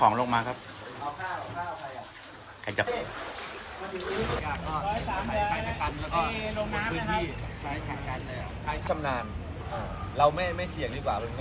หลงหลงหลงหลงหลงหลงหลงหลงหลงหลงหลงหลงหลงหลงหลงหลงหลง